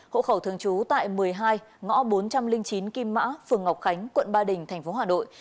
hộ khẩu thường trú tại một mươi hai ngõ bốn trăm linh chín kim mã phường ngọc khánh quận ba đình tp hà nội